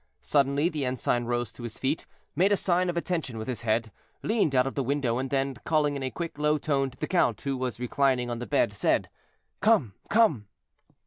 Suddenly the ensign rose to his feet, made a sign of attention with his head, leaned out of the window, and then, calling in a quick, low tone to the count, who was reclining on the bed, said: "Come, come!"